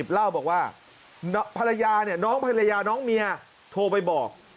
เล่าบอกว่าน้องพระยาน้องเมียโทรไปบอก